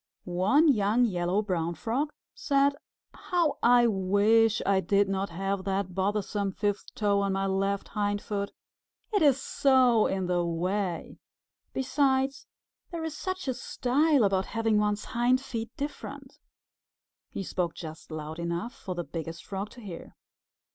One young Yellow Brown Frog said, "How I wish I did not have that bothersome fifth toe on my left hindfoot! It is so in the way! Besides, there is such a style about having one's hind feet different." He spoke just loud enough for the Biggest Frog to hear.